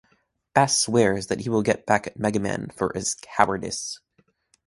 Bass swears that he will get back at Mega Man for his "cowardice".